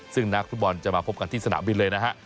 ซึ่งนักฟุตบอลจะมาพบกันที่สนามบินเลยนะฮะ